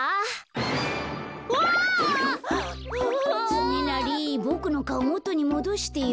つねなりボクのかおもとにもどしてよ。